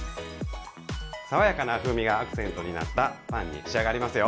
爽やかな風味がアクセントになったパンに仕上がりますよ。